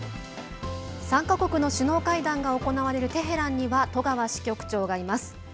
３か国の首脳会談が行われるテヘランには戸川支局長がいます。